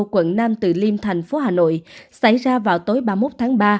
quận nam từ liêm thành phố hà nội xảy ra vào tối ba mươi một tháng ba